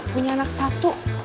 punya anak satu